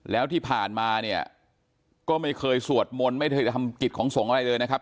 แล้วที่ผ่านมาเนี่ยก็ไม่เคยสวดมนต์ไม่เคยทำกิจของสงฆ์อะไรเลยนะครับ